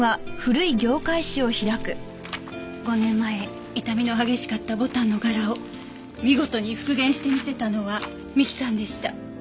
５年前傷みの激しかった牡丹の柄を見事に復元してみせたのは美樹さんでした。